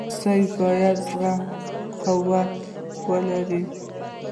رسۍ باید د زغم قوت ولري.